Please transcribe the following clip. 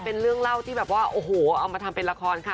เป็นเรื่องเล่าที่เอามาทำเป็นละครค่ะ